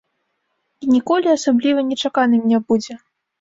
І ніколі асабліва нечаканым не будзе.